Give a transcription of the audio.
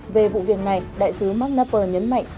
về vụ việc này đại sứ mark knapper nhấn mạnh